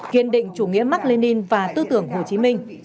kiên định chủ nghĩa mạc lê ninh và tư tưởng hồ chí minh